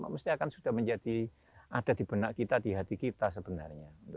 mesti akan sudah menjadi ada di benak kita di hati kita sebenarnya